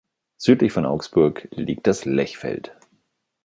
Südlich von Augsburg liegt das Lechfeld.